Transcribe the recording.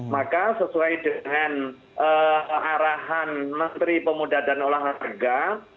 maka sesuai dengan arahan menteri pemuda dan olahraga